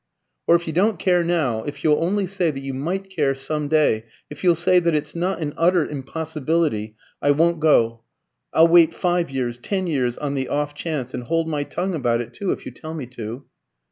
"Or if you don't care now, if you'll only say that you might care some day, if you'll say that it's not an utter impossibility, I won't go. I'll wait five years ten years on the off chance, and hold my tongue about it too, if you tell me to."